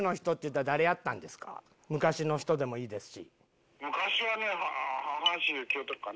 昔の人でもいいですし。